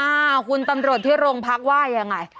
อ้าวคุณตำรวจที่โรงพักว่ายังไง